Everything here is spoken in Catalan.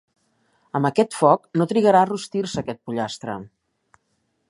Amb aquest foc, no trigarà a rostir-se, aquest pollastre.